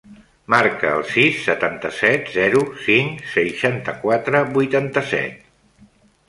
Marca el sis, setanta-set, zero, cinc, seixanta-quatre, vuitanta-set.